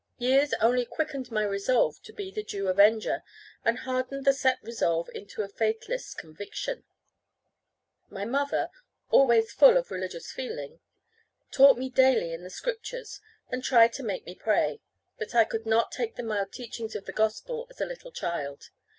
Years only quickened my resolve to be the due avenger, and hardened the set resolve into a fatalist's conviction. My mother, always full of religious feeling, taught me daily in the Scriptures, and tried to make me pray. But I could not take the mild teachings of the Gospel as a little child.